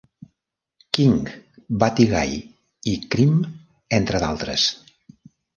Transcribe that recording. King, Buddy Guy i Cream entre d'altres.